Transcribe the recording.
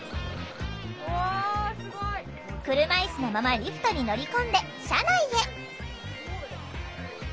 車いすのままリフトに乗り込んで車内へ。